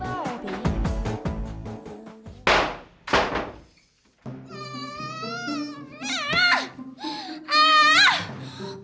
mama mau disini terus